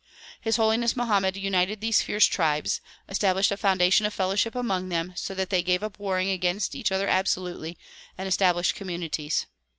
His Holiness Mohammed united these fierce tribes, established a founda tion of fellowship among them so that they gave up warring against each other absolutely and established communities.